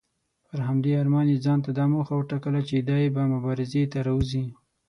پر همدې ارمان یې ځانته دا موخه وټاکله چې دی به مبارزې ته راوځي.